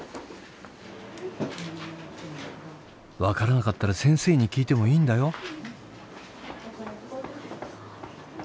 分からなかったら先生に聞いてもいいんだよ。